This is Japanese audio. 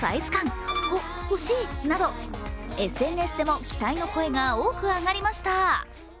ＳＮＳでも期待の声が多く上がりました。